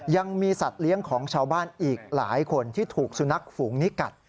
ยังมีสัตว์เลี้ยงของชาวบ้านอีกหลายคนที่ถูกสุนัขฝูงนี้กัด